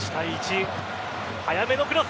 早めのクロス。